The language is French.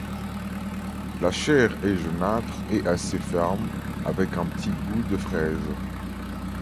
La chair est jaunâtre et assez ferme avec un petit goût de fraise.